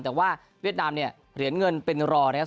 แต่ว่าเวียดนามเนี่ยเหรียญเงินเป็นรอนะครับ